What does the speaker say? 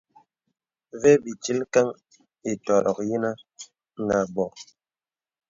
Və bì tilkəŋ ìtɔ̄rɔ̀k yinə̀ nə à bɔ̀.